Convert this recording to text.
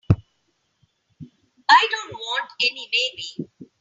I don't want any maybe.